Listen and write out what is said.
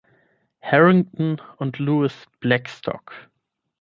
Harrington und Louis Blackstock.